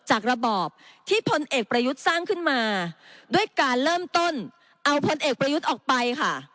ระบอบที่พลเอกประยุทธ์สร้างขึ้นมาด้วยการเริ่มต้นเอาพลเอกประยุทธ์ออกไปค่ะ